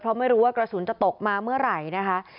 เพราะไม่รู้ว่ากระสุนจะตกมาเมื่อไหร่นะคะ